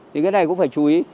thì cái này cũng phải chú ý